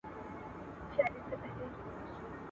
زه سینې د حیوانانو څیرومه.